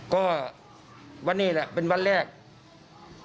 ขึ้นแรงและกล